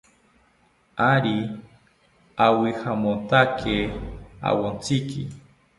Ari awijamotakae awotziki